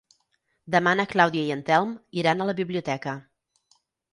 Demà na Clàudia i en Telm iran a la biblioteca.